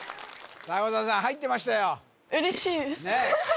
迫田さん入ってましたよ